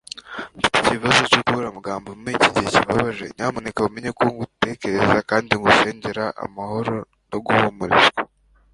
mfite ikibazo cyo kubura amagambo muri iki gihe kibabaje nyamuneka umenye ko ngutekereza kandi ngusengera amahoro no guhumurizwa